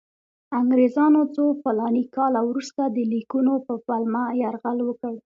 انګریزانو څو فلاني کاله وروسته د لیکونو په پلمه یرغل وکړ.